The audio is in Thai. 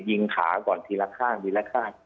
ขาก่อนทีละข้างทีละข้าง